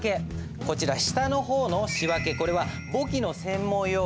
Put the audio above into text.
こちら下の方の「仕訳」これはそう。